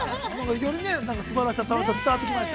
よりすばらしさ、楽しさが伝わってきました。